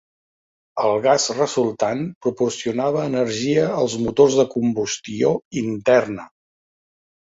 El gas resultant proporcionava energia als motors de combustió interna.